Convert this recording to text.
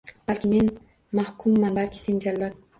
Balki men mahkumman, balki sen jallod.